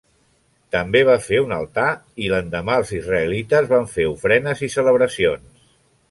També va fer un altar i l'endemà els israelites van fer ofrenes i celebracions.